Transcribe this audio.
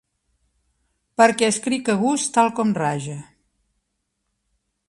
perquè escric a gust tal com raja.